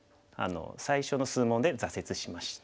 最初の数問で挫折しました。